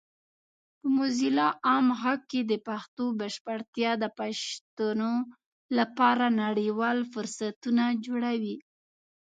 په موزیلا عام غږ کې د پښتو بشپړتیا د پښتنو لپاره نړیوال فرصتونه جوړوي.